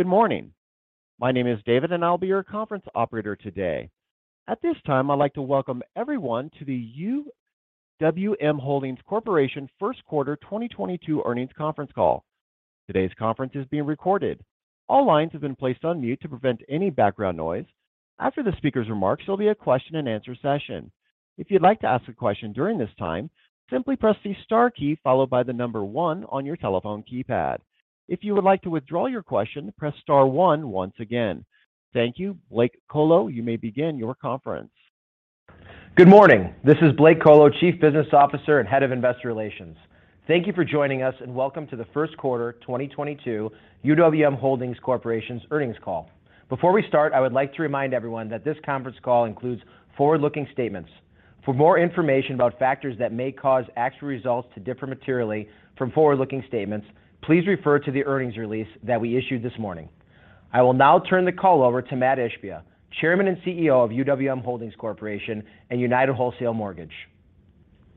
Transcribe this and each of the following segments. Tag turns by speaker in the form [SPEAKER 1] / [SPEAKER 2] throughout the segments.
[SPEAKER 1] Good morning. My name is David, and I'll be your conference operator today. At this time, I'd like to welcome everyone to the UWM Holdings Corporation first quarter 2022 earnings conference call. Today's conference is being recorded. All lines have been placed on mute to prevent any background noise. After the speaker's remarks, there'll be a question-and-answer session. If you'd like to ask a question during this time, simply press the star key followed by the number one on your telephone keypad. If you would like to withdraw your question, press star one once again. Thank you. Blake Kolo, you may begin your conference.
[SPEAKER 2] Good morning. This is Blake Kolo, Chief Business Officer and Head of Investor Relations. Thank you for joining us, and welcome to the first quarter 2022 UWM Holdings Corporation's earnings call. Before we start, I would like to remind everyone that this conference call includes forward-looking statements. For more information about factors that may cause actual results to differ materially from forward-looking statements, please refer to the earnings release that we issued this morning. I will now turn the call over to Mat Ishbia, Chairman and CEO of UWM Holdings Corporation and United Wholesale Mortgage.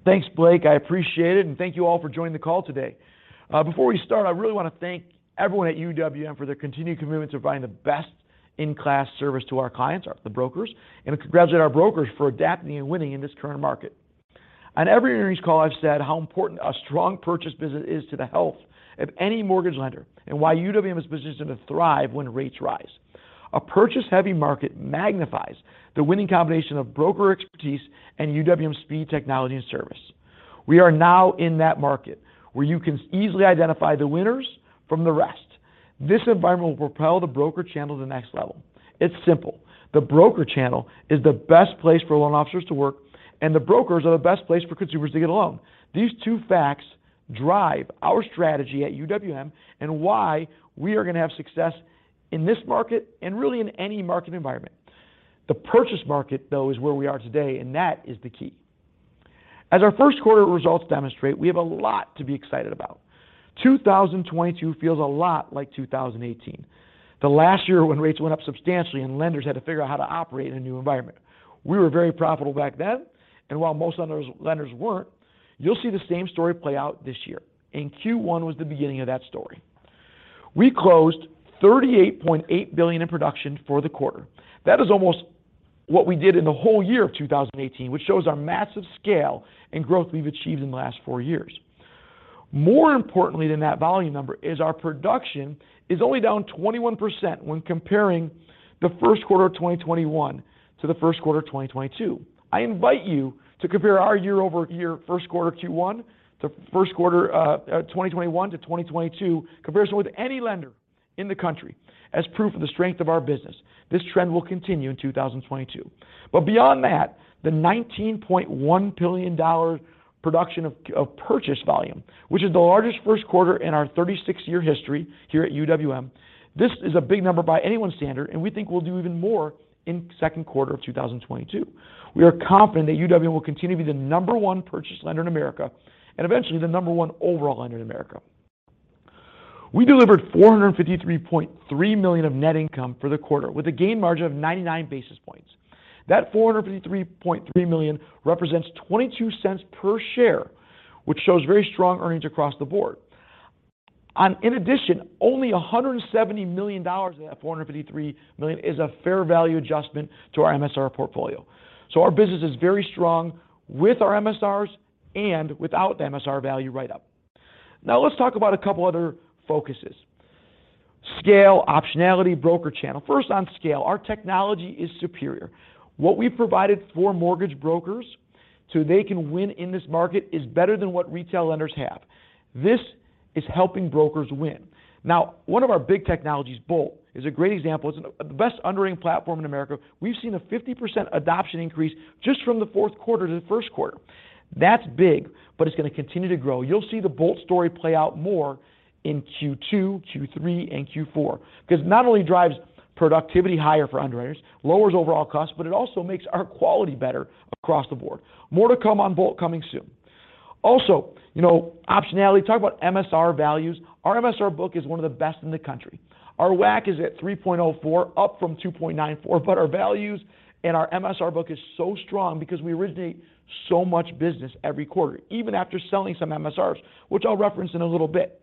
[SPEAKER 3] Thanks, Blake. I appreciate it, and thank you all for joining the call today. Before we start, I really want to thank everyone at UWM for their continued commitment to providing the best-in-class service to our clients, the brokers, and congratulate our brokers for adapting and winning in this current market. On every earnings call, I've said how important a strong purchase business is to the health of any mortgage lender and why UWM is positioned to thrive when rates rise. A purchase-heavy market magnifies the winning combination of broker expertise and UWM speed, technology, and service. We are now in that market where you can easily identify the winners from the rest. This environment will propel the broker channel to the next level. It's simple. The broker channel is the best place for loan officers to work, and the brokers are the best place for consumers to get a loan. These two facts drive our strategy at UWM and why we are going to have success in this market and really in any market environment. The purchase market, though, is where we are today, and that is the key. As our first quarter results demonstrate, we have a lot to be excited about. 2022 feels a lot like 2018, the last year when rates went up substantially and lenders had to figure out how to operate in a new environment. We were very profitable back then, and while most lenders weren't, you'll see the same story play out this year, and Q1 was the beginning of that story. We closed $38 billion in production for the quarter. That is almost what we did in the whole year of 2018, which shows our massive scale and growth we've achieved in the last four years. More importantly than that volume number is our production only down 21% when comparing the first quarter of 2021 to the first quarter of 2022. I invite you to compare our year-over-year first quarter Q1 to first quarter, 2021 to 2022 comparison with any lender in the country as proof of the strength of our business. This trend will continue in 2022. Beyond that, the $19.1 billion production of purchase volume, which is the largest first quarter in our 36-year history here at UWM. This is a big number by anyone's standard, and we think we'll do even more in second quarter of 2022. We are confident that UWM will continue to be the number one purchase lender in America and eventually the number one overall lender in America. We delivered $453.3 million of net income for the quarter with a gain margin of 99 basis points. That $453.3 million represents $0.22 per share, which shows very strong earnings across the board. In addition, only $170 million of that $453 million is a fair value adjustment to our MSR portfolio. Our business is very strong with our MSRs and without the MSR value write-up. Now, let's talk about a couple other focuses. Scale, optionality, broker channel. First on scale, our technology is superior. What we've provided for mortgage brokers so they can win in this market is better than what retail lenders have. This is helping brokers win. Now, one of our big technologies, BOLT, is a great example. It's the best underwriting platform in America. We've seen a 50% adoption increase just from the fourth quarter to the first quarter. That's big, but it's going to continue to grow. You'll see the BOLT story play out more in Q2, Q3, and Q4 because it not only drives productivity higher for underwriters, lowers overall costs, but it also makes our quality better across the board. More to come on BOLT coming soon. Also, you know, optionality. Talk about MSR values. Our MSR book is one of the best in the country. Our WAC is at 3.04, up from 2.94. Our values and our MSR book is so strong because we originate so much business every quarter, even after selling some MSRs, which I'll reference in a little bit.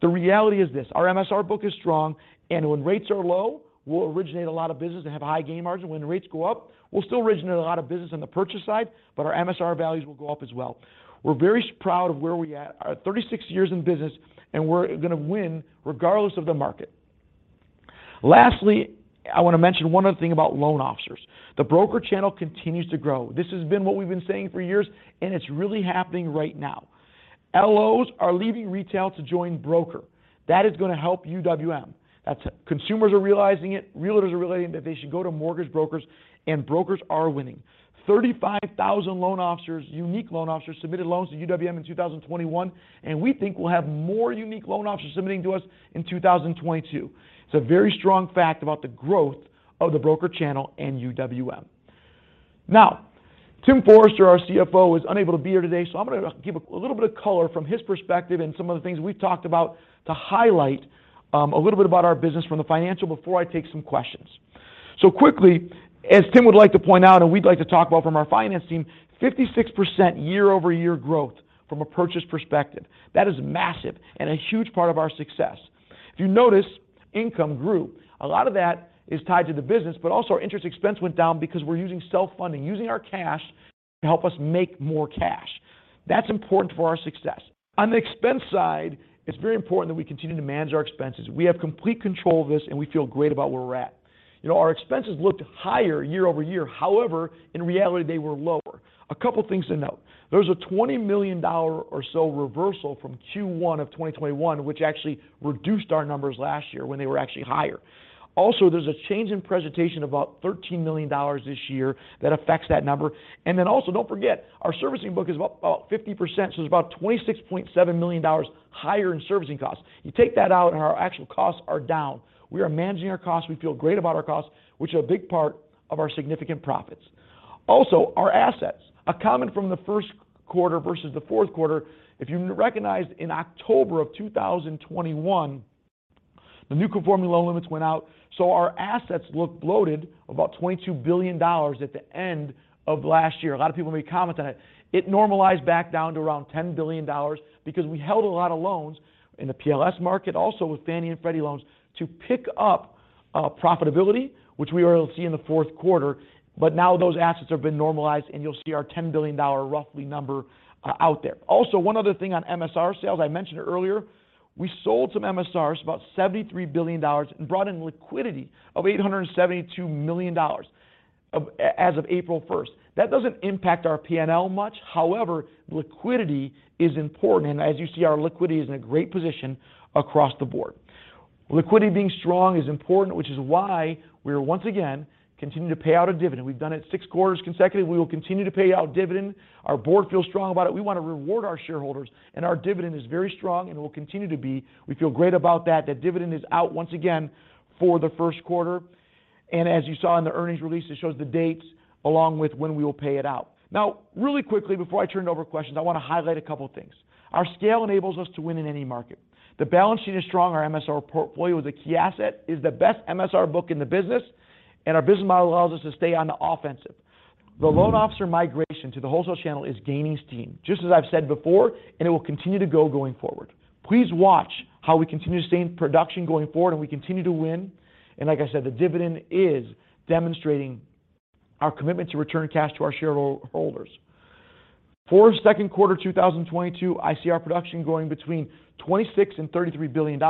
[SPEAKER 3] The reality is this, our MSR book is strong, and when rates are low, we'll originate a lot of business and have high gain margin. When rates go up, we'll still originate a lot of business on the purchase side, but our MSR values will go up as well. We're very proud of where we at. 36 years in business, and we're gonna win regardless of the market. Lastly, I want to mention one other thing about loan officers. The broker channel continues to grow. This has been what we've been saying for years, and it's really happening right now. LOs are leaving retail to join broker. That is going to help UWM. That's it. Consumers are realizing it. Realtors are realizing that they should go to mortgage brokers, and brokers are winning. 35,000 loan officers, unique loan officers, submitted loans to UWM in 2021, and we think we'll have more unique loan officers submitting to us in 2022. It's a very strong fact about the growth of the broker channel and UWM. Now, Tim Forrester, our CFO, is unable to be here today, so I'm going to give a little bit of color from his perspective and some of the things we've talked about to highlight, a little bit about our business from the financial before I take some questions. Quickly, as Tim would like to point out, and we'd like to talk about from our finance team, 56% year-over-year growth from a purchase perspective. That is massive and a huge part of our success. If you notice, income grew. A lot of that is tied to the business, but also our interest expense went down because we're using self-funding, using our cash to help us make more cash. That's important for our success. On the expense side, it's very important that we continue to manage our expenses. We have complete control of this, and we feel great about where we're at. You know, our expenses looked higher year-over-year. However, in reality, they were lower. A couple things to note. There's a $20 million or so reversal from Q1 of 2021, which actually reduced our numbers last year when they were actually higher. Also, there's a change in presentation of about $13 million this year that affects that number. Don't forget, our servicing book is about 50%, so it's about $26.7 million higher in servicing costs. You take that out, and our actual costs are down. We are managing our costs. We feel great about our costs, which are a big part of our significant profits. Also, our assets. A comment from the first quarter versus the fourth quarter. If you recognize in October of 2021, the new conforming loan limits went out, so our assets looked bloated, about $22 billion at the end of last year. A lot of people may comment on it. It normalized back down to around $10 billion because we held a lot of loans in the PLS market, also with Fannie and Freddie loans, to pick up profitability, which we are seeing in the fourth quarter. But now those assets have been normalized, and you'll see our $10 billion roughly number out there. Also, one other thing on MSR sales I mentioned earlier. We sold some MSRs, about $73 billion, and brought in liquidity of $872 million as of April first. That doesn't impact our P&L much. However, liquidity is important, and as you see, our liquidity is in a great position across the board. Liquidity being strong is important, which is why we are once again continuing to pay out a dividend. We've done it six quarters consecutive. We will continue to pay out dividend. Our board feels strong about it. We want to reward our shareholders, and our dividend is very strong and will continue to be. We feel great about that. That dividend is out once again for the first quarter. As you saw in the earnings release, it shows the dates along with when we will pay it out. Now, really quickly before I turn it over to questions, I want to highlight a couple things. Our scale enables us to win in any market. The balance sheet is strong. Our MSR portfolio is a key asset. It is the best MSR book in the business, and our business model allows us to stay on the offensive. The loan officer migration to the wholesale channel is gaining steam, just as I've said before, and it will continue to going forward. Please watch how we continue to stay in production going forward, and we continue to win. Like I said, the dividend is demonstrating our commitment to return cash to our shareholders. For second quarter 2022, I see our production going between $26 billion and $33 billion,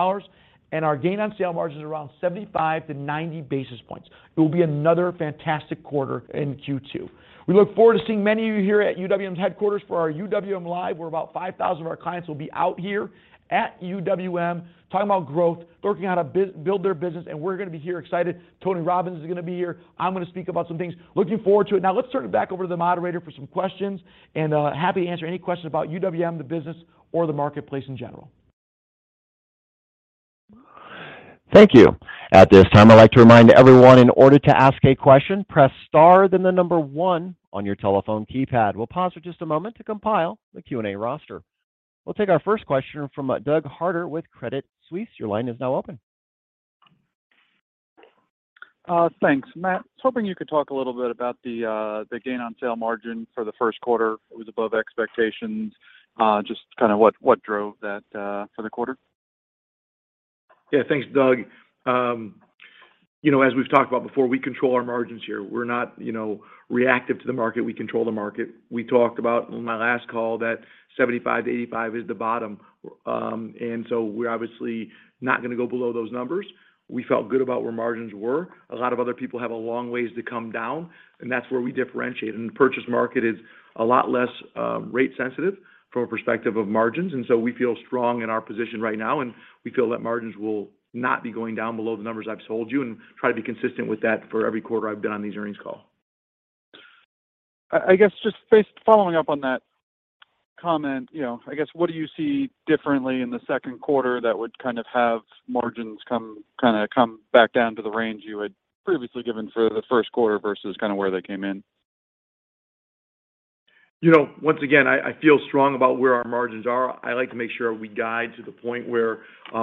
[SPEAKER 3] and our gain on sale margin is around 75-90 basis points. It will be another fantastic quarter in Q2. We look forward to seeing many of you here at UWM's headquarters for our UWM LIVE, where about 5,000 of our clients will be out here at UWM talking about growth, working to build their business, and we're going to be here excited. Tony Robbins is going to be here. I'm going to speak about some things. Looking forward to it. Now let's turn it back over to the moderator for some questions, and happy to answer any questions about UWM, the business, or the marketplace in general.
[SPEAKER 1] Thank you. At this time, I'd like to remind everyone in order to ask a question, press star then the number one on your telephone keypad. We'll pause for just a moment to compile the Q&A roster. We'll take our first question from Doug Harter with Credit Suisse. Your line is now open.
[SPEAKER 4] Thanks. Mat, I was hoping you could talk a little bit about the gain on sale margin for the first quarter. It was above expectations. Just kind of what drove that for the quarter?
[SPEAKER 3] Yeah, thanks, Doug. You know, as we've talked about before, we control our margins here. We're not, you know, reactive to the market. We control the market. We talked about on my last call that 75-85 is the bottom. We're obviously not going to go below those numbers. We felt good about where margins were. A lot of other people have a long ways to come down, and that's where we differentiate. The purchase market is a lot less rate sensitive from a perspective of margins. We feel strong in our position right now, and we feel that margins will not be going down below the numbers I've told you and try to be consistent with that for every quarter I've been on these earnings call.
[SPEAKER 4] I guess following up on that comment, you know, I guess what do you see differently in the second quarter that would kind of have margins come back down to the range you had previously given for the first quarter versus kind of where they came in?
[SPEAKER 3] You know, once again, I feel strong about where our margins are. I like to make sure we guide to the point where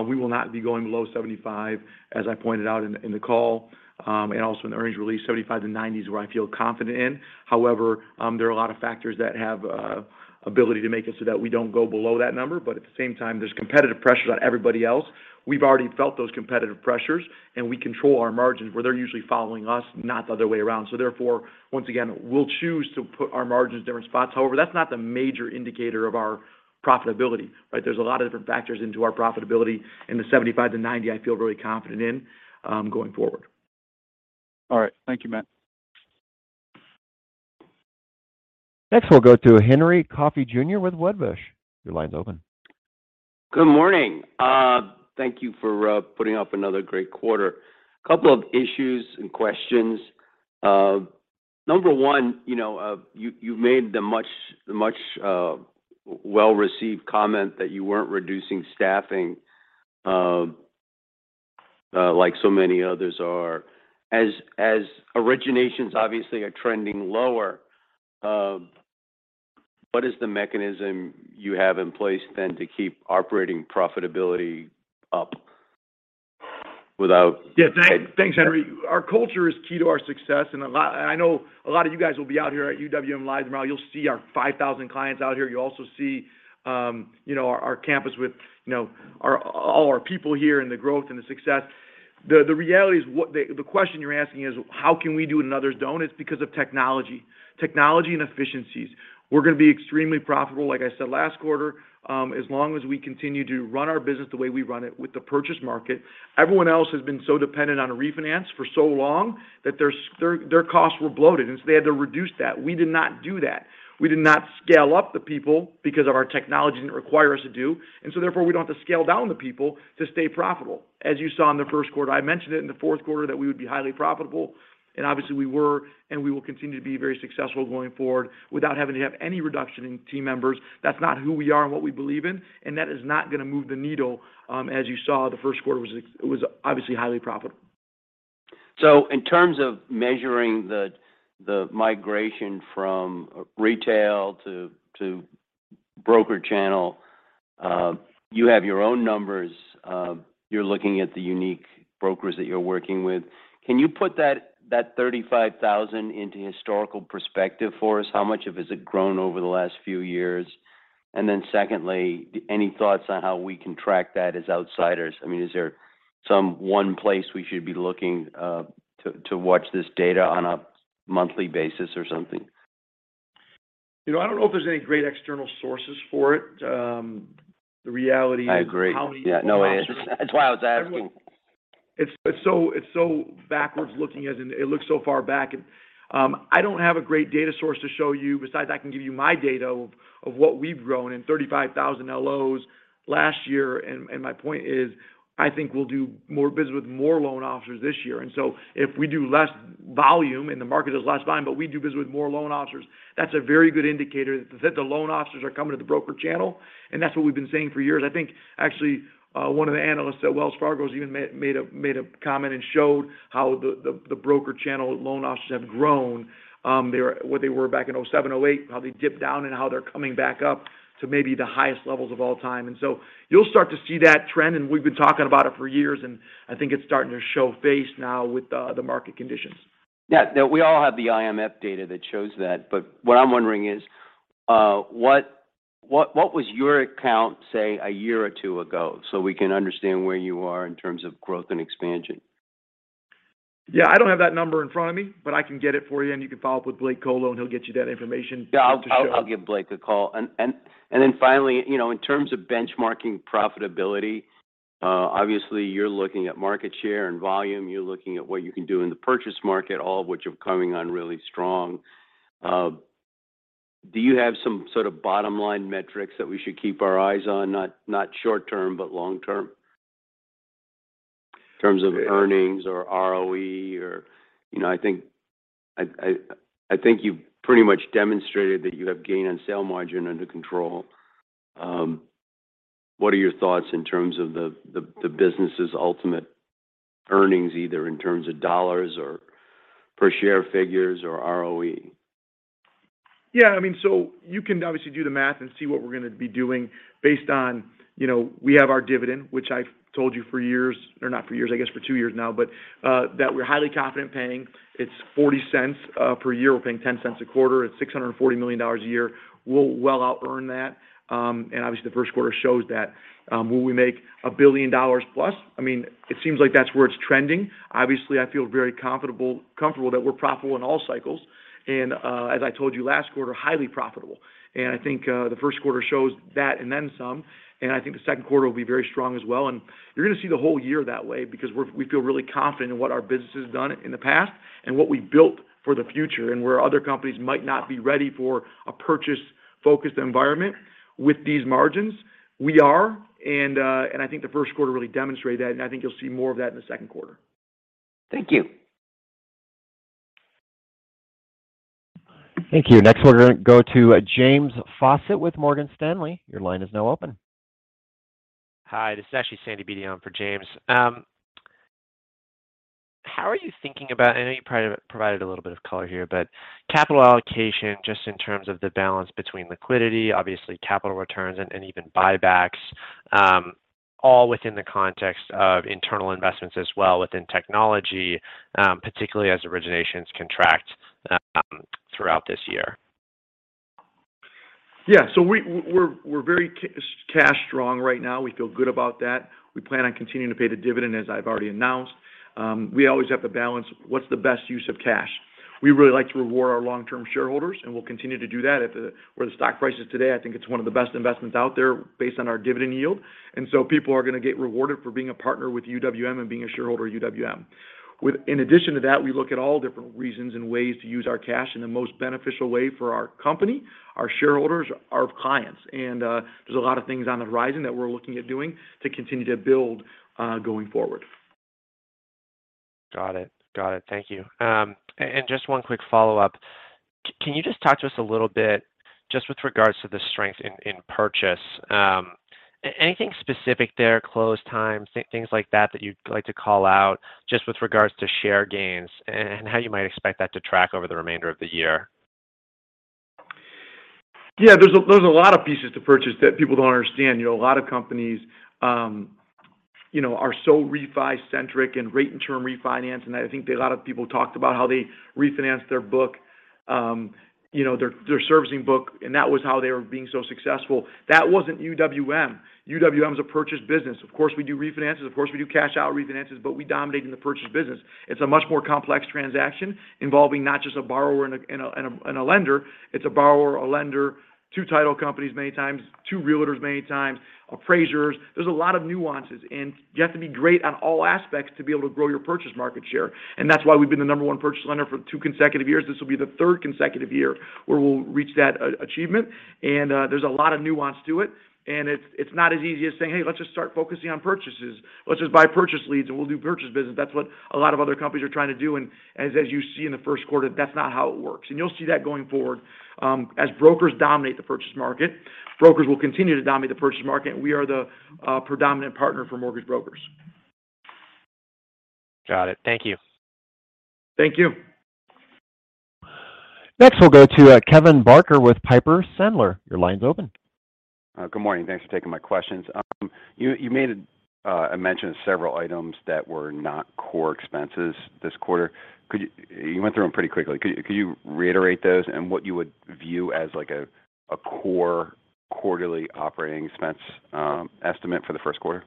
[SPEAKER 3] we will not be going below 75, as I pointed out in the call, and also in the earnings release. 75-90 is where I feel confident in. However, there are a lot of factors that have ability to make it so that we don't go below that number. At the same time, there's competitive pressures on everybody else. We've already felt those competitive pressures, and we control our margins where they're usually following us, not the other way around. Therefore, once again, we'll choose to put our margins in different spots. However, that's not the major indicator of our profitability, right? There's a lot of different factors into our profitability. In the 75-90, I feel really confident in going forward.
[SPEAKER 4] All right. Thank you, Matt.
[SPEAKER 1] Next, we'll go to Henry Coffey Jr. with Wedbush. Your line's open.
[SPEAKER 5] Good morning. Thank you for putting up another great quarter. Couple of issues and questions. Number one, you know, you made the much well-received comment that you weren't reducing staffing, like so many others are. As originations obviously are trending lower, what is the mechanism you have in place then to keep operating profitability up without-
[SPEAKER 3] Yeah. Thanks, Henry. Our culture is key to our success. I know a lot of you guys will be out here at UWM LIVE! tomorrow. You'll see our 5,000 clients out here. You'll also see our campus with our all our people here and the growth and the success. The reality is the question you're asking is how can we do what others don't. It's because of technology. Technology and efficiencies. We're gonna be extremely profitable, like I said last quarter, as long as we continue to run our business the way we run it with the purchase market. Everyone else has been so dependent on a refinance for so long that their costs were bloated, and so they had to reduce that. We did not do that. We did not scale up the people because of our technology didn't require us to do. Therefore, we don't have to scale down the people to stay profitable. As you saw in the first quarter, I mentioned it in the fourth quarter that we would be highly profitable, and obviously we were, and we will continue to be very successful going forward without having to have any reduction in team members. That's not who we are and what we believe in, and that is not gonna move the needle, as you saw, the first quarter was obviously highly profitable.
[SPEAKER 5] In terms of measuring the migration from retail to broker channel, you have your own numbers. You're looking at the unique brokers that you're working with. Can you put that 35,000 into historical perspective for us? How much has it grown over the last few years? Secondly, any thoughts on how we can track that as outsiders? I mean, is there some one place we should be looking to watch this data on a monthly basis or something?
[SPEAKER 3] You know, I don't know if there's any great external sources for it. The reality is.
[SPEAKER 5] I agree. Yeah, no answer. That's why I was asking.
[SPEAKER 3] It's so backwards looking as in it looks so far back. I don't have a great data source to show you besides I can give you my data of what we've grown in 35,000 LOs last year. My point is, I think we'll do more business with more loan officers this year. If we do less volume and the market does less volume, but we do business with more loan officers, that's a very good indicator that the loan officers are coming to the broker channel, and that's what we've been saying for years. I think actually, one of the analysts at Wells Fargo has even made a comment and showed how the broker channel loan officers have grown, what they were back in 2007, 2008, how they dipped down and how they're coming back up to maybe the highest levels of all time. You'll start to see that trend, and we've been talking about it for years, and I think it's starting to show its face now with the market conditions.
[SPEAKER 5] Yeah. No, we all have the IMF data that shows that. But what I'm wondering is, what was your count, say, a year or two ago, so we can understand where you are in terms of growth and expansion?
[SPEAKER 3] Yeah. I don't have that number in front of me, but I can get it for you, and you can follow up with Blake Kolo, and he'll get you that information too, to show.
[SPEAKER 5] Yeah. I'll give Blake a call. Then finally, you know, in terms of benchmarking profitability, obviously you're looking at market share and volume. You're looking at what you can do in the purchase market, all of which are coming on really strong. Do you have some sort of bottom-line metrics that we should keep our eyes on? Not short term, but long term in terms of earnings or ROE. You know, I think you've pretty much demonstrated that you have gain on sale margin under control. What are your thoughts in terms of the business's ultimate earnings, either in terms of dollars or per share figures or ROE?
[SPEAKER 3] Yeah. I mean, you can obviously do the math and see what we're gonna be doing based on, you know, we have our dividend, which I've told you for years, or not for years, I guess for two years now, but that we're highly confident paying. It's $0.40 per year. We're paying $0.10 a quarter. It's $640 million a year. We'll well outearn that. And obviously the first quarter shows that. Will we make $1 billion+? I mean, it seems like that's where it's trending. Obviously, I feel very comfortable that we're profitable in all cycles and, as I told you last quarter, highly profitable. I think the first quarter shows that and then some, and I think the second quarter will be very strong as well. You're gonna see the whole year that way because we feel really confident in what our business has done in the past and what we've built for the future. Where other companies might not be ready for a purchase-focused environment with these margins, we are. I think the first quarter really demonstrated that, and I think you'll see more of that in the second quarter.
[SPEAKER 5] Thank you.
[SPEAKER 1] Thank you. Next we're gonna go to James Faucette with Morgan Stanley. Your line is now open.
[SPEAKER 6] Hi, this is actually Sandy Bedion for James. How are you thinking about, I know you provided a little bit of color here, but capital allocation just in terms of the balance between liquidity, obviously capital returns and even buybacks, all within the context of internal investments as well within technology, particularly as originations contract, throughout this year.
[SPEAKER 3] Yeah. We're very cash strong right now. We feel good about that. We plan on continuing to pay the dividend, as I've already announced. We always have to balance what's the best use of cash. We really like to reward our long-term shareholders, and we'll continue to do that. Where the stock price is today, I think it's one of the best investments out there based on our dividend yield. People are gonna get rewarded for being a partner with UWM and being a shareholder of UWM. In addition to that, we look at all different reasons and ways to use our cash in the most beneficial way for our company, our shareholders, our clients. There's a lot of things on the horizon that we're looking at doing to continue to build going forward.
[SPEAKER 6] Got it. Thank you. And just one quick follow-up. Can you just talk to us a little bit just with regards to the strength in purchase, anything specific there, close times, things like that you'd like to call out just with regards to share gains and how you might expect that to track over the remainder of the year?
[SPEAKER 3] Yeah. There's a lot of pieces to purchase that people don't understand. You know, a lot of companies, you know, are so refi-centric and rate-and-term refinance. I think that a lot of people talked about how they refinanced their book, you know, their servicing book, and that was how they were being so successful. That wasn't UWM. UWM is a purchase business. Of course, we do refinances. Of course, we do cash out refinances, but we dominate in the purchase business. It's a much more complex transaction involving not just a borrower and a lender. It's a borrower, a lender, two title companies many times, two realtors many times, appraisers. There's a lot of nuances, and you have to be great on all aspects to be able to grow your purchase market share. That's why we've been the number one purchase lender for two consecutive years. This will be the third consecutive year where we'll reach that achievement. There's a lot of nuance to it. It's not as easy as saying, "Hey, let's just start focusing on purchases. Let's just buy purchase leads, and we'll do purchase business." That's what a lot of other companies are trying to do. As you see in the first quarter, that's not how it works. You'll see that going forward, as brokers dominate the purchase market. Brokers will continue to dominate the purchase market. We are the predominant partner for mortgage brokers.
[SPEAKER 6] Got it. Thank you.
[SPEAKER 3] Thank you.
[SPEAKER 1] Next, we'll go to Kevin Barker with Piper Sandler. Your line's open.
[SPEAKER 7] Good morning. Thanks for taking my questions. You made a mention of several items that were not core expenses this quarter. You went through them pretty quickly. Could you reiterate those and what you would view as, like, a core quarterly operating expense estimate for the first quarter?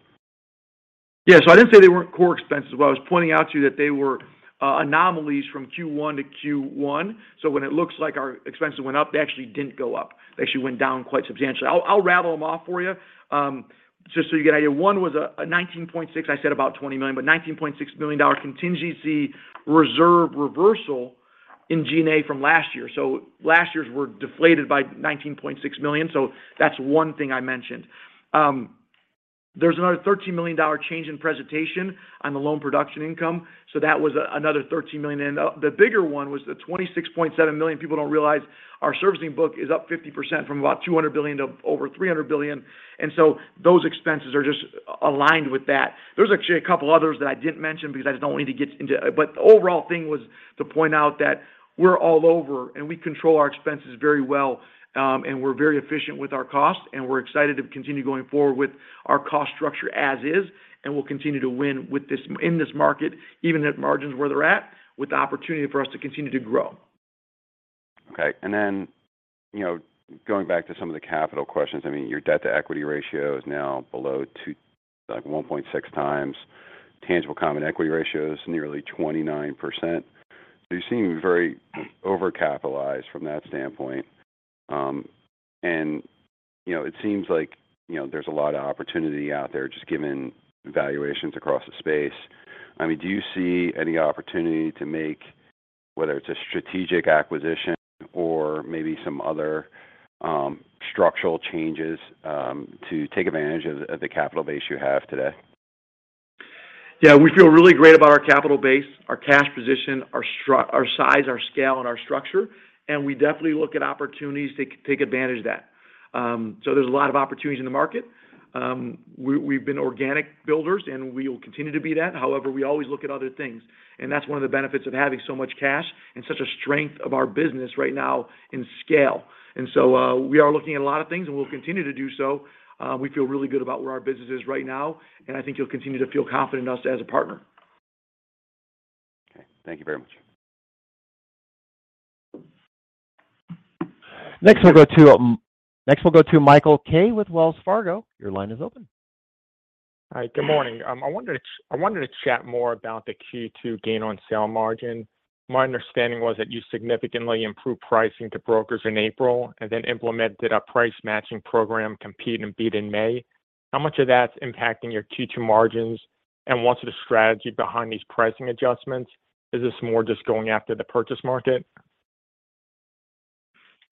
[SPEAKER 3] Yeah. I didn't say they weren't core expenses. What I was pointing out to you that they were anomalies from Q1 to Q1. When it looks like our expenses went up, they actually didn't go up. They actually went down quite substantially. I'll rattle them off for you, just so you get an idea. One was a 19.6, I said about 20 million, but $19.6 million dollar contingency reserve reversal in G&A from last year. Last year's were deflated by $19.6 million. That's one thing I mentioned. There's another $13 million dollar change in presentation on the loan production income. That was another $13 million. The bigger one was the $26.7 million. People don't realize our servicing book is up 50% from about $200 billion to over $300 billion. Those expenses are just aligned with that. There's actually a couple others that I didn't mention because I don't need to get into. The overall thing was to point out that we're all over, and we control our expenses very well, and we're very efficient with our costs, and we're excited to continue going forward with our cost structure as is, and we'll continue to win with this, in this market, even at margins where they're at, with the opportunity for us to continue to grow.
[SPEAKER 7] Okay. You know, going back to some of the capital questions. I mean, your debt-to-equity ratio is now below two, like 1.6 times. Tangible common equity ratio is nearly 29%. You seem very over-capitalized from that standpoint. You know, it seems like, you know, there's a lot of opportunity out there just given valuations across the space. I mean, do you see any opportunity to make, whether it's a strategic acquisition or maybe some other structural changes, to take advantage of the capital base you have today?
[SPEAKER 3] Yeah, we feel really great about our capital base, our cash position, our size, our scale, and our structure. We definitely look at opportunities to take advantage of that. There's a lot of opportunities in the market. We've been organic builders, and we will continue to be that. However, we always look at other things, and that's one of the benefits of having so much cash and such a strength of our business right now in scale. We are looking at a lot of things, and we'll continue to do so. We feel really good about where our business is right now, and I think you'll continue to feel confident in us as a partner.
[SPEAKER 7] Okay. Thank you very much.
[SPEAKER 1] Next, we'll go to Michael K. with Wells Fargo. Your line is open.
[SPEAKER 8] Hi, good morning. I wanted to chat more about the Q2 gain on sale margin. My understanding was that you significantly improved pricing to brokers in April and then implemented a price-matching program, Compete & Beat, in May. How much of that's impacting your Q2 margins, and what's the strategy behind these pricing adjustments? Is this more just going after the purchase market?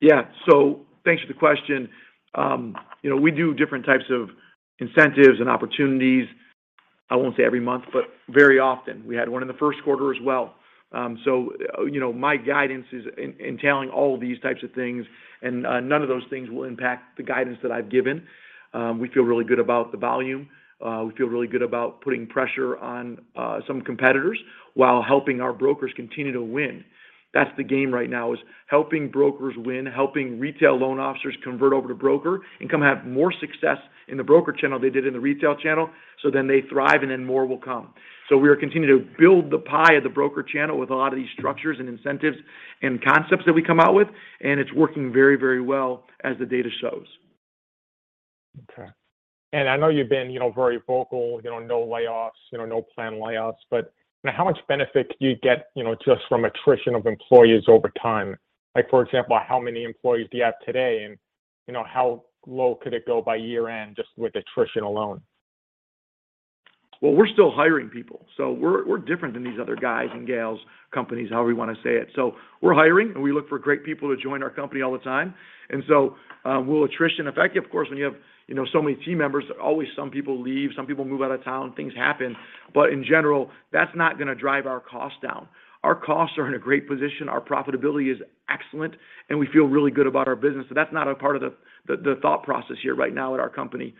[SPEAKER 3] Yeah. Thanks for the question. You know, we do different types of incentives and opportunities, I won't say every month, but very often. We had one in the first quarter as well. You know, my guidance is in telling all of these types of things, and none of those things will impact the guidance that I've given. We feel really good about the volume. We feel really good about putting pressure on some competitors while helping our brokers continue to win. That's the game right now is helping brokers win, helping retail loan officers convert over to broker, and come have more success in the broker channel they did in the retail channel, so then they thrive, and then more will come. We are continuing to build the pie of the broker channel with a lot of these structures and incentives and concepts that we come out with, and it's working very, very well as the data shows.
[SPEAKER 8] Okay. I know you've been, you know, very vocal, you know, no layoffs, you know, no planned layoffs. How much benefit do you get, you know, just from attrition of employees over time? Like, for example, how many employees do you have today? You know, how low could it go by year-end just with attrition alone?
[SPEAKER 3] Well, we're still hiring people, so we're different than these other guys and gals, companies, however you want to say it. We're hiring, and we look for great people to join our company all the time. Will attrition affect you? Of course, when you have, you know, so many team members, always some people leave, some people move out of town, things happen. In general, that's not gonna drive our costs down. Our costs are in a great position. Our profitability is excellent, and we feel really good about our business. That's not a part of the thought process here right now at our company.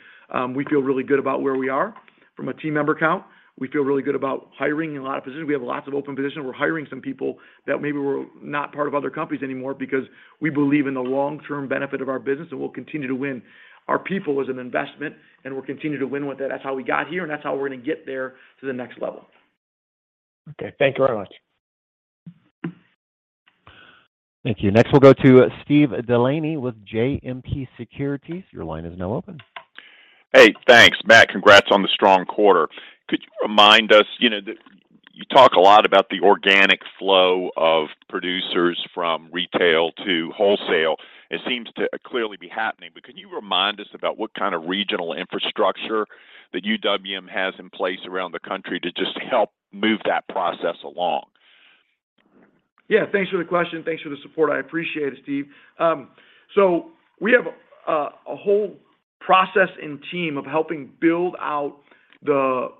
[SPEAKER 3] We feel really good about where we are from a team member count. We feel really good about hiring in a lot of positions. We have lots of open positions. We're hiring some people that maybe were not part of other companies anymore because we believe in the long-term benefit of our business, and we'll continue to win. Our people is an investment, and we'll continue to win with it. That's how we got here, and that's how we're gonna get there to the next level.
[SPEAKER 9] Okay. Thank you very much.
[SPEAKER 1] Thank you. Next, we'll go to Steve DeLaney with JMP Securities. Your line is now open.
[SPEAKER 9] Hey, thanks. Matt, congrats on the strong quarter. Could you remind us, you know, you talk a lot about the organic flow of producers from retail to wholesale. It seems to clearly be happening. Can you remind us about what kind of regional infrastructure that UWM has in place around the country to just help move that process along?
[SPEAKER 3] Yeah. Thanks for the question. Thanks for the support. I appreciate it, Steve. We have a whole process and team of helping build out the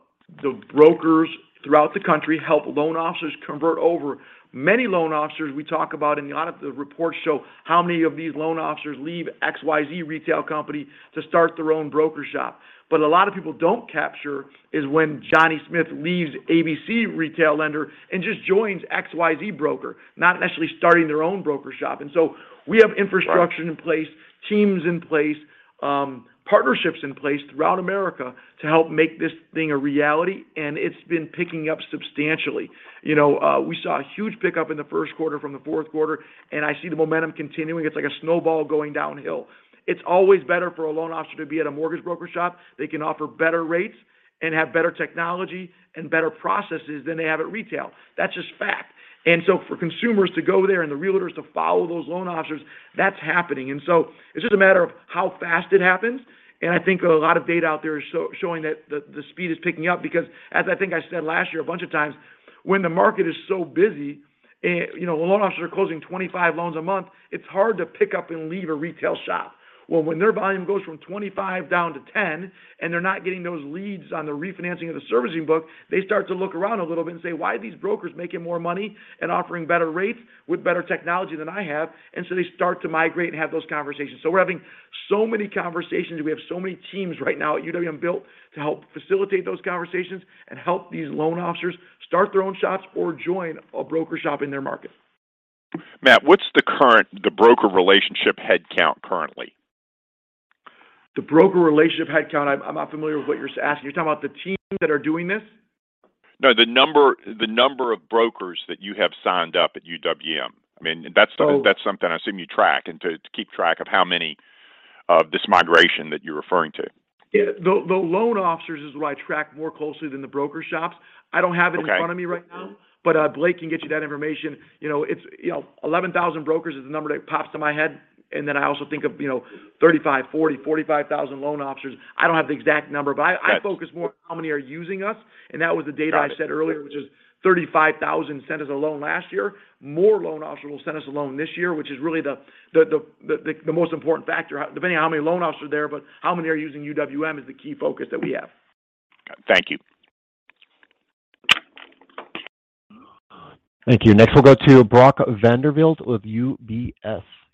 [SPEAKER 3] brokers throughout the country, help loan officers convert over. Many loan officers we talk about, and a lot of the reports show how many of these loan officers leave XYZ retail company to start their own broker shop. What a lot of people don't capture is when Johnny Smith leaves ABC retail lender and just joins XYZ broker, not necessarily starting their own broker shop. We have infrastructure.
[SPEAKER 9] Right
[SPEAKER 3] In place, teams in place, partnerships in place throughout America to help make this thing a reality, and it's been picking up substantially. You know, we saw a huge pickup in the first quarter from the fourth quarter, and I see the momentum continuing. It's like a snowball going downhill. It's always better for a loan officer to be at a mortgage broker shop. They can offer better rates and have better technology and better processes than they have at retail. That's just fact. For consumers to go there and the realtors to follow those loan officers, that's happening. It's just a matter of how fast it happens. I think a lot of data out there is showing that the speed is picking up because as I think I said last year a bunch of times, when the market is so busy, you know, loan officers are closing 25 loans a month, it's hard to pick up and leave a retail shop. Well, when their volume goes from 25 down to 10, and they're not getting those leads on the refinancing of the servicing book, they start to look around a little bit and say, "Why are these brokers making more money and offering better rates with better technology than I have?" And so they start to migrate and have those conversations. We're having so many conversations, and we have so many teams right now at UWM built to help facilitate those conversations and help these loan officers start their own shops or join a broker shop in their market.
[SPEAKER 9] Matt, what's the broker relationship headcount currently?
[SPEAKER 3] The broker relationship headcount, I'm not familiar with what you're asking. You're talking about the teams that are doing this?
[SPEAKER 9] No, the number of brokers that you have signed up at UWM. I mean, that's.
[SPEAKER 3] Oh.
[SPEAKER 9] That's something I assume you track and to keep track of how many of this migration that you're referring to.
[SPEAKER 3] Yeah. The loan officers is who I track more closely than the broker shops.
[SPEAKER 9] Okay.
[SPEAKER 3] I don't have it in front of me right now, but Blake can get you that information. You know, it's you know, 11,000 brokers is the number that pops to my head. Then I also think of, you know, 35, 40, 45, 000 loan officers. I don't have the exact number.
[SPEAKER 9] Got it.
[SPEAKER 3] I focus more on how many are using us, and that was the data I said earlier.
[SPEAKER 9] Got it.
[SPEAKER 3] Which is 35,000 sent us a loan last year. More loan officers will send us a loan this year, which is really the most important factor, depending on how many loan officers are there. How many are using UWM is the key focus that we have.
[SPEAKER 9] Thank you.
[SPEAKER 1] Thank you. Next, we'll go to Brock Vandervliet with UBS.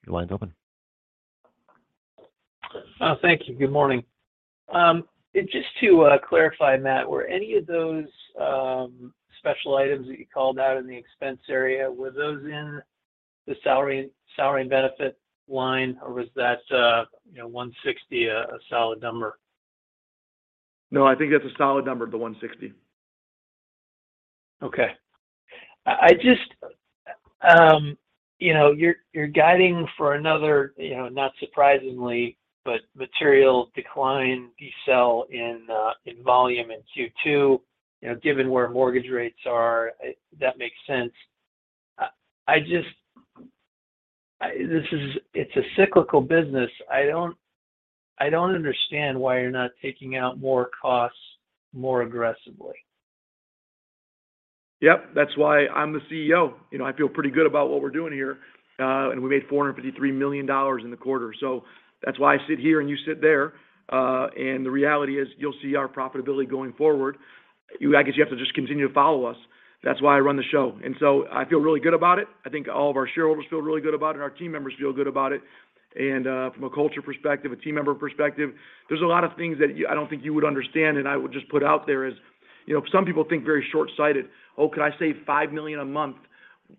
[SPEAKER 1] Your line's open.
[SPEAKER 10] Oh, thank you. Good morning. Just to clarify, Mat, were any of those special items that you called out in the expense area were those in the salary and benefit line, or was that, you know, 160A a solid number?
[SPEAKER 3] No, I think that's a solid number, the 160.
[SPEAKER 10] Okay. I just, you know, you're guiding for another, you know, not surprisingly, but material decline decel in volume in Q2. You know, given where mortgage rates are, that makes sense. I just, this is, it's a cyclical business. I don't understand why you're not taking out more costs more aggressively.
[SPEAKER 3] Yep. That's why I'm the CEO. You know, I feel pretty good about what we're doing here. We made $453 million in the quarter. That's why I sit here, and you sit there. The reality is you'll see our profitability going forward. I guess you have to just continue to follow us. That's why I run the show. I feel really good about it. I think all of our shareholders feel really good about it, and our team members feel good about it. From a culture perspective, a team member perspective, there's a lot of things that I don't think you would understand, and I would just put out there as, you know, some people think very short-sighted. Oh, could I save $5 million a month?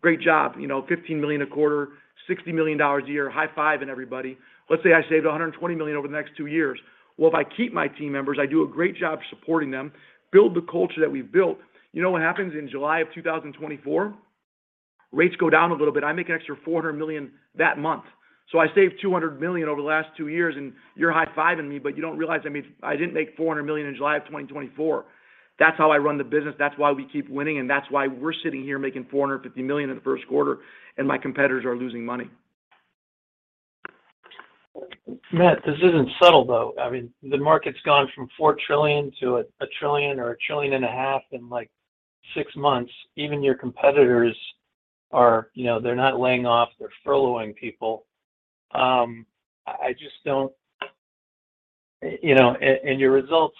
[SPEAKER 3] Great job. You know, $15 million a quarter, $60 million a year, high-fiving everybody. Let's say I saved $120 million over the next two years. Well, if I keep my team members, I do a great job supporting them, build the culture that we've built. You know what happens in July of 2024? Rates go down a little bit. I make an extra $400 million that month. I saved $200 million over the last two years, and you're high-fiving me, but you don't realize I made. I didn't make $400 million in July of 2024. That's how I run the business. That's why we keep winning, and that's why we're sitting here making $450 million in the first quarter, and my competitors are losing money.
[SPEAKER 10] Mat, this isn't subtle, though. I mean, the market's gone from $4 trillion to $1 trillion or $1.5 trillion in, like, six months. Even your competitors are, you know, they're not laying off. They're furloughing people. I just don't You know, your results,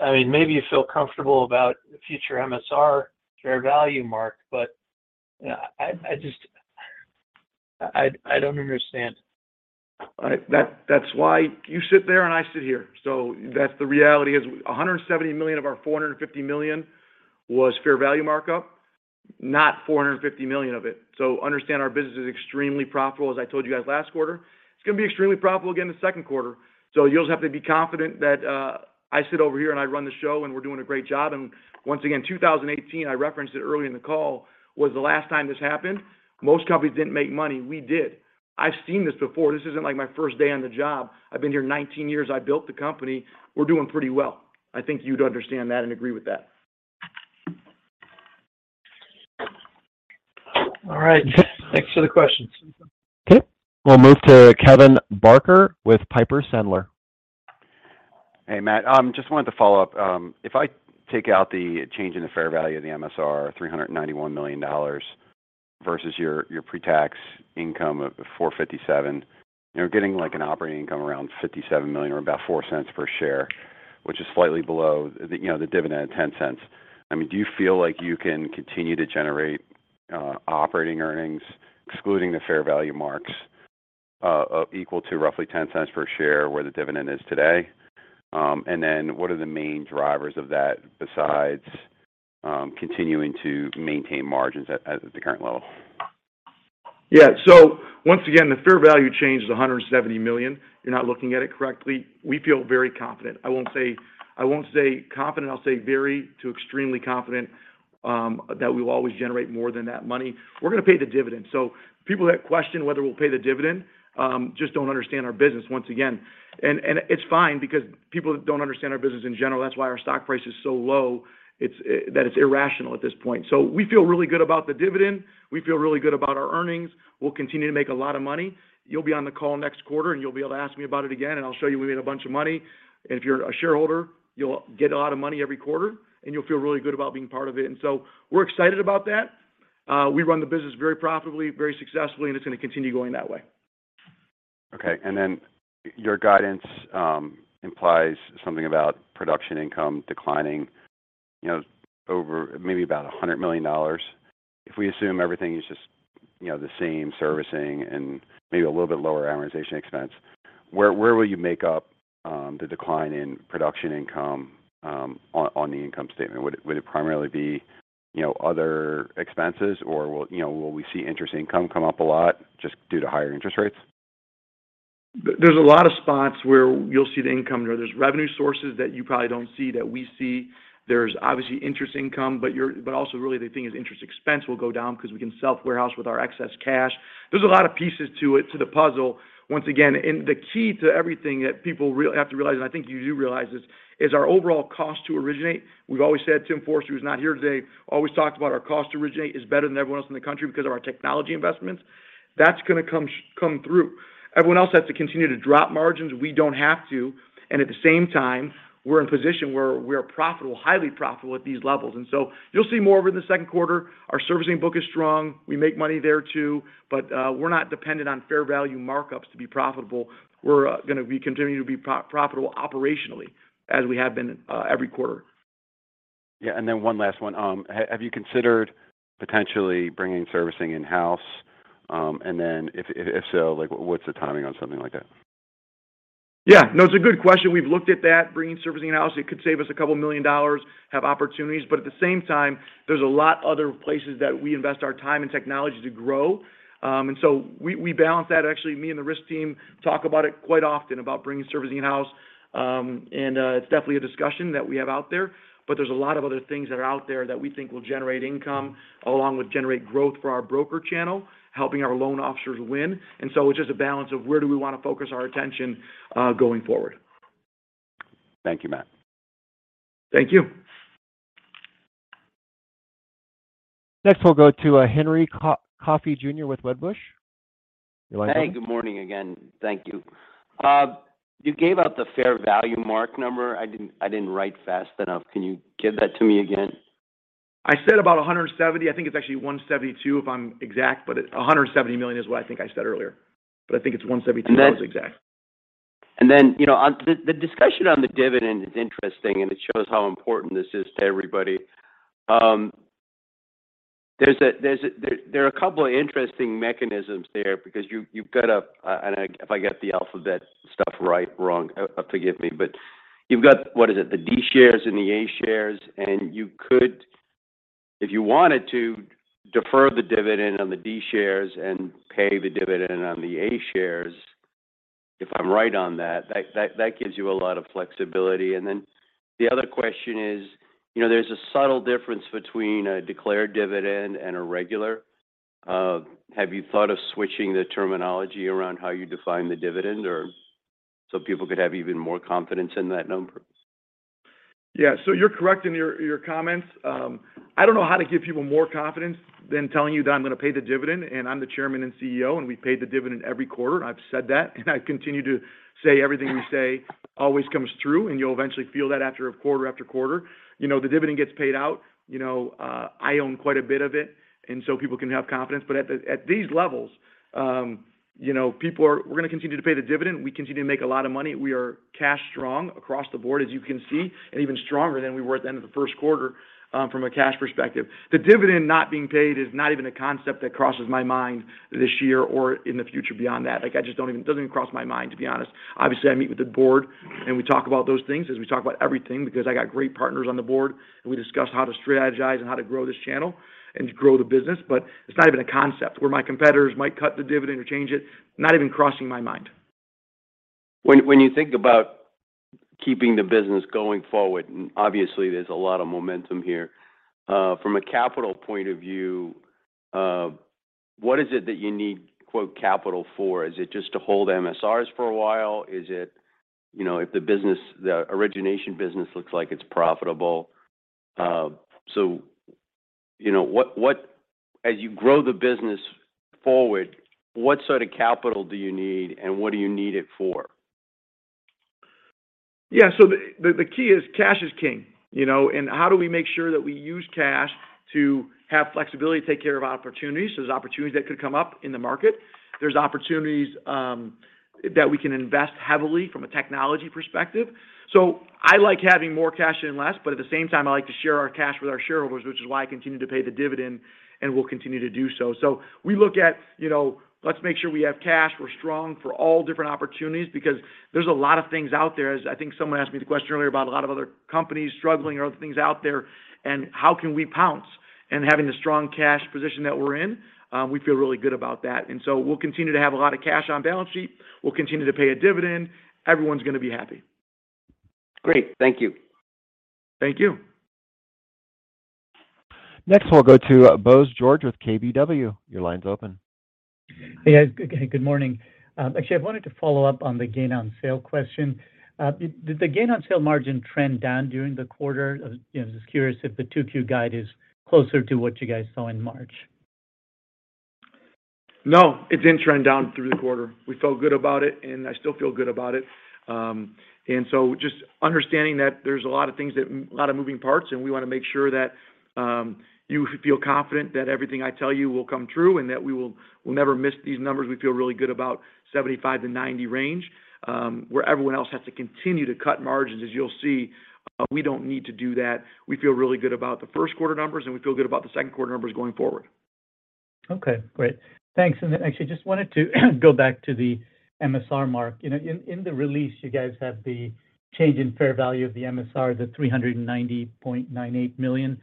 [SPEAKER 10] I mean, maybe you feel comfortable about the future MSR fair value mark, but I just don't understand.
[SPEAKER 3] That's why you sit there and I sit here. That's the reality is $170 million of our $450 million was fair value markup, not $450 million of it. Understand our business is extremely profitable, as I told you guys last quarter. It's going to be extremely profitable again the second quarter. You'll just have to be confident that I sit over here and I run the show, and we're doing a great job. Once again, 2018, I referenced it earlier in the call, was the last time this happened. Most companies didn't make money. We did. I've seen this before. This isn't like my first day on the job. I've been here 19 years. I built the company. We're doing pretty well. I think you'd understand that and agree with that.
[SPEAKER 10] All right. Thanks for the questions.
[SPEAKER 1] Okay. We'll move to Kevin Barker with Piper Sandler.
[SPEAKER 7] Hey, Matt. Just wanted to follow up. If I take out the change in the fair value of the MSR, $391 million versus your pre-tax income of $457 million, you're getting like an operating income around $57 million or about $0.04 per share, which is slightly below the dividend of $0.10. I mean, do you feel like you can continue to generate operating earnings, excluding the fair value marks, equal to roughly $0.10 per share where the dividend is today? And then what are the main drivers of that besides continuing to maintain margins at the current level?
[SPEAKER 3] Yeah. Once again, the fair value change is $170 million. You're not looking at it correctly. We feel very confident. I won't say confident. I'll say very to extremely confident that we will always generate more than that money. We're gonna pay the dividend. People that question whether we'll pay the dividend just don't understand our business once again. It's fine because people don't understand our business in general. That's why our stock price is so low. It's irrational at this point. We feel really good about the dividend. We feel really good about our earnings. We'll continue to make a lot of money. You'll be on the call next quarter, and you'll be able to ask me about it again, and I'll show you we made a bunch of money. If you're a shareholder, you'll get a lot of money every quarter, and you'll feel really good about being part of it. We're excited about that. We run the business very profitably, very successfully, and it's going to continue going that way.
[SPEAKER 7] Okay. Your guidance implies something about production income declining, you know, over maybe about $100 million. If we assume everything is just, you know, the same servicing and maybe a little bit lower amortization expense, where will you make up the decline in production income on the income statement? Would it primarily be, you know, other expenses, or will we see interest income come up a lot just due to higher interest rates?
[SPEAKER 3] There's a lot of spots where you'll see the income. There's revenue sources that you probably don't see that we see. There's obviously interest income, but also really the thing is interest expense will go down because we can self-warehouse with our excess cash. There's a lot of pieces to it, to the puzzle. Once again, the key to everything that people have to realize, and I think you do realize this, is our overall cost to originate. We've always said, Tim Forrester, who's not here today, always talked about our cost to originate is better than everyone else in the country because of our technology investments. That's gonna come through. Everyone else has to continue to drop margins. We don't have to. At the same time, we're in a position where we're profitable, highly profitable at these levels. You'll see more of it in the second quarter. Our servicing book is strong. We make money there too. We're not dependent on fair value markups to be profitable. We're gonna be continuing to be profitable operationally as we have been every quarter.
[SPEAKER 7] Yeah. One last one. Have you considered potentially bringing servicing in-house? If so, like, what's the timing on something like that?
[SPEAKER 3] Yeah. No, it's a good question. We've looked at that, bringing servicing in-house. It could save us $2 million, have opportunities. At the same time, there's a lot of other places that we invest our time and technology to grow. We balance that. Actually, me and the risk team talk about it quite often, bringing servicing in-house. It's definitely a discussion that we have out there. There's a lot of other things that are out there that we think will generate income along with generating growth for our broker channel, helping our loan officers win. It's just a balance of where do we want to focus our attention going forward.
[SPEAKER 7] Thank you, Mat.
[SPEAKER 3] Thank you.
[SPEAKER 1] Next, we'll go to Henry Coffey Jr. with Wedbush. You're live, Henry.
[SPEAKER 5] Hey, good morning again. Thank you. You gave out the fair value mark number. I didn't write fast enough. Can you give that to me again?
[SPEAKER 3] I said about 170. I think it's actually 172 if I'm exact, but $170 million is what I think I said earlier. I think it's 172 if I was exact.
[SPEAKER 5] You know, on the discussion on the dividend is interesting, and it shows how important this is to everybody. There are a couple of interesting mechanisms there because you've got a, and if I get the alphabet stuff right or wrong, forgive me, but you've got, what is it, the D shares and the A shares, and you could, if you wanted to, defer the dividend on the D shares and pay the dividend on the A shares. If I'm right on that gives you a lot of flexibility. The other question is, you know, there's a subtle difference between a declared dividend and a regular. Have you thought of switching the terminology around how you define the dividend or so people could have even more confidence in that number?
[SPEAKER 3] Yeah. You're correct in your comments. I don't know how to give people more confidence than telling you that I'm gonna pay the dividend, and I'm the Chairman and CEO, and we paid the dividend every quarter. I've said that, and I continue to say everything we say always comes through, and you'll eventually feel that after a quarter after quarter. You know, the dividend gets paid out. You know, I own quite a bit of it, and so people can have confidence. At these levels, you know, we're gonna continue to pay the dividend. We continue to make a lot of money. We are cash strong across the board as you can see, and even stronger than we were at the end of the first quarter, from a cash perspective. The dividend not being paid is not even a concept that crosses my mind this year or in the future beyond that. Like, I just don't even it doesn't even cross my mind, to be honest. Obviously, I meet with the board and we talk about those things as we talk about everything because I got great partners on the board and we discuss how to strategize and how to grow this channel and grow the business. It's not even a concept where my competitors might cut the dividend or change it, not even crossing my mind.
[SPEAKER 5] When you think about keeping the business going forward, obviously there's a lot of momentum here. From a capital point of view, what is it that you need, quote, "capital" for? Is it just to hold MSRs for a while? Is it, if the origination business looks like it's profitable. As you grow the business forward, what sort of capital do you need, and what do you need it for?
[SPEAKER 3] Yeah. The key is cash is king, you know? How do we make sure that we use cash to have flexibility to take care of opportunities? There's opportunities that could come up in the market. There's opportunities that we can invest heavily from a technology perspective. I like having more cash and less, but at the same time, I like to share our cash with our shareholders, which is why I continue to pay the dividend and will continue to do so. We look at, you know, let's make sure we have cash. We're strong for all different opportunities because there's a lot of things out there. As I think someone asked me the question earlier about a lot of other companies struggling or other things out there, and how can we pounce? Having the strong cash position that we're in, we feel really good about that. We'll continue to have a lot of cash on balance sheet. We'll continue to pay a dividend. Everyone's gonna be happy.
[SPEAKER 5] Great. Thank you.
[SPEAKER 3] Thank you.
[SPEAKER 1] Next, we'll go to, Bose George with KBW. Your line's open.
[SPEAKER 11] Hey, guys. Good morning. Actually, I wanted to follow up on the gain on sale question. Did the gain on sale margin trend down during the quarter? You know, just curious if the 2Q guide is closer to what you guys saw in March.
[SPEAKER 3] No, it didn't trend down through the quarter. We felt good about it, and I still feel good about it. Just understanding that there's a lot of things a lot of moving parts, and we wanna make sure that you feel confident that everything I tell you will come true and that we'll never miss these numbers. We feel really good about 75-90 range, where everyone else has to continue to cut margins. As you'll see, we don't need to do that. We feel really good about the first quarter numbers, and we feel good about the second quarter numbers going forward.
[SPEAKER 11] Okay, great. Thanks. Actually, just wanted to go back to the MSR mark. You know, in the release, you guys have the change in fair value of the MSR, the $390.98 million.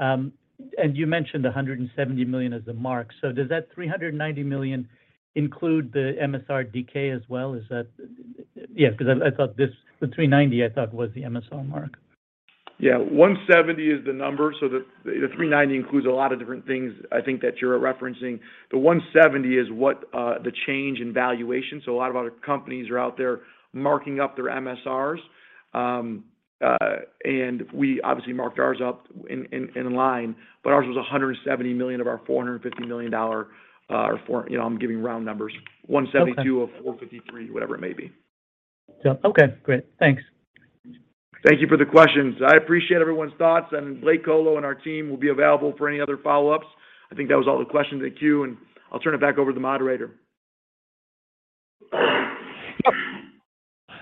[SPEAKER 11] You mentioned $170 million as the mark. Does that $390 million include the MSR decay as well? Yeah, 'cause I thought the 390 was the MSR mark.
[SPEAKER 3] Yeah. 170 is the number. The 390 includes a lot of different things I think that you're referencing. The 170 is what the change in valuation. A lot of other companies are out there marking up their MSRs. We obviously marked ours up in line, but ours was $170 million of our $450 million dollar. You know, I'm giving round numbers. 172-
[SPEAKER 11] Okay
[SPEAKER 3] of 453, whatever it may be.
[SPEAKER 11] Yeah. Okay, great. Thanks.
[SPEAKER 3] Thank you for the questions. I appreciate everyone's thoughts, and Blake Kolo and our team will be available for any other follow-ups. I think that was all the questions in the queue, and I'll turn it back over to the moderator.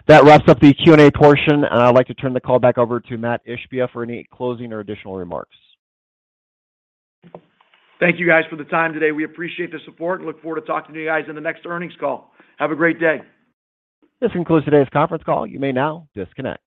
[SPEAKER 1] That wraps up the Q&A portion. I'd like to turn the call back over to Mat Ishbia for any closing or additional remarks.
[SPEAKER 3] Thank you guys for the time today. We appreciate the support and look forward to talking to you guys in the next earnings call. Have a great day.
[SPEAKER 1] This concludes today's conference call. You may now disconnect.